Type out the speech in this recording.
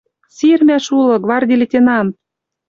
Сирмӓш улы, гварди лейтенант!» —